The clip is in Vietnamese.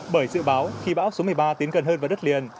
bởi dự báo khi bão số một mươi ba tiến gần hơn với đất liền